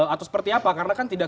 atau seperti apa karena kan tidak